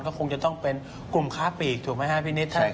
ก็คงจะต้องเป็นกลุ่มค้าปีกถูกไหมครับพี่นิด